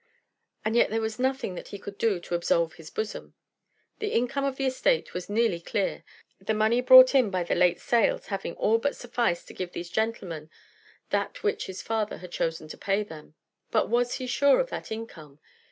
And yet there was nothing that he could do to absolve his bosom. The income of the estate was nearly clear, the money brought in by the late sales having all but sufficed to give these gentlemen that which his father had chosen to pay them. But was he sure of that income?